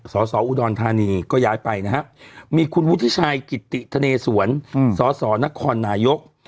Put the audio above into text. สสอุดรธานีก็ย้ายไปนะครับมีคุณวุฒิชัยกิตติธเนสวนสสนครนายก